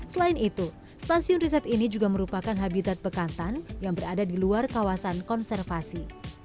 selain itu stasiun riset ini juga merupakan habitat bekantan yang berada di luar kawasan konservasi